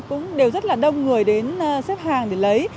cũng đều rất là đông người đến xếp hàng để lấy